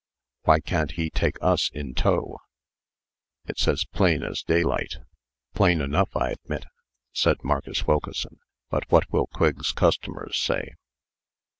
Why can't he take us in tow? It's as plain as daylight." "Plain enough, I admit," said Marcus Wilkeson; "but what will Quigg's customers say?"